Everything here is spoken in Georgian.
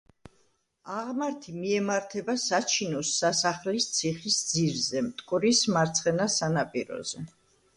აღმართი მიემართება „საჩინოს“ სასახლის ციხის ძირზე, მტკვრის მარცხენა სანაპიროზე.